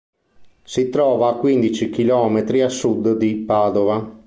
Si trova a quindici chilometri a sud di Padova.